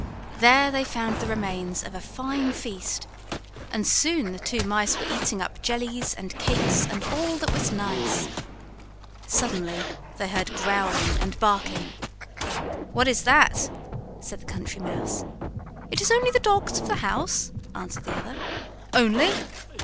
There they found the remains of a fine feast, and soon the two mice were eating up jellies and cakes and all that was nice. Suddenly they heard growling and barking. "What is that?" said the Country Mouse. "It is only the dogs of the house," answered the other. "Only!"